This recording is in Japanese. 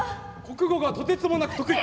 国語がとてつもなく。